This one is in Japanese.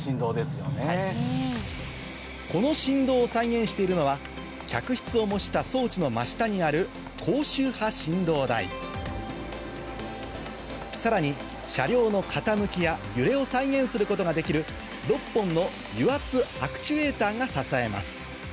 この振動を再現しているのは客室を模した装置の真下にあるさらに車両の傾きや揺れを再現することができる６本の油圧アクチュエーターが支えます